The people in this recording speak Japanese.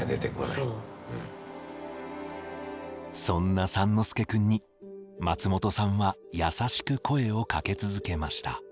そんな三之助くんに松本さんは優しく声をかけ続けました。